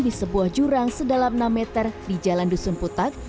di sebuah jurang sedalam enam meter di jalan dusun putak